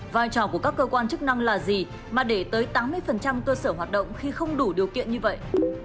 vai trò của các cơ quan chức năng là gì mà để tới tám mươi cơ sở hoạt động khi không đủ điều kiện như vậy